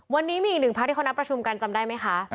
วันนี้มีอีกหนึ่งพักที่เขานัดประชุมกันจำได้ไหมคะ